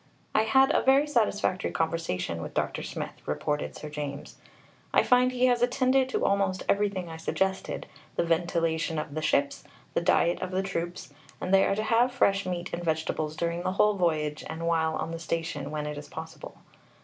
"I had a very satisfactory conversation with Dr. Smith," reported Sir James. "I find he has attended to almost everything I suggested the ventilation of the ships, the diet of the troops; and they are to have fresh meat and vegetables during the whole voyage and while on the station when it is possible.